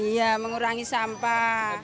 iya mengurangi sampah